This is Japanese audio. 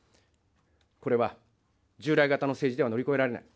これは、従来型の政治では乗り越えられない。